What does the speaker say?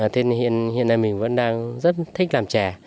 thế hiện hiện nay mình vẫn đang rất thích làm chè